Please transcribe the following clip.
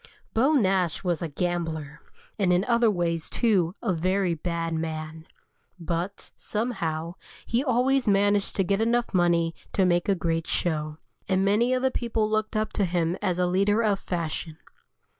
Beau Nash was a gambler, and in other ways, too, a very bad man. But, somehow, he always managed to get enough money to make a great show, and many of the people looked up to him as a leader of fashion.